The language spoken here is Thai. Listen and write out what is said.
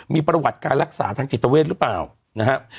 มีประวัติการรักษาทางจิตเวทหรือเปล่านะครับ